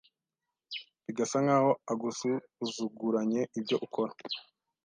bigasa nk’aho agusuzuzuguranye ibyo ukora